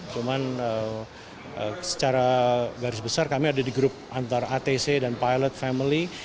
cuman secara garis besar kami ada di grup antara atc dan pilot family